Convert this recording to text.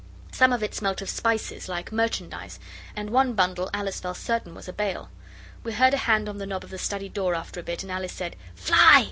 Some of it smelt of spices, like merchandise and one bundle Alice felt certain was a bale. We heard a hand on the knob of the study door after a bit, and Alice said 'Fly!